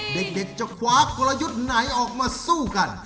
เด็กจะคว้ากลยุทธ์ไหนออกมาสู้กัน